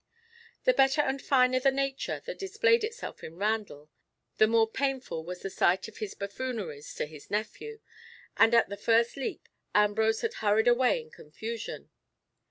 The better and finer the nature that displayed itself in Randall, the more painful was the sight of his buffooneries to his nephew, and at the first leap, Ambrose had hurried away in confusion.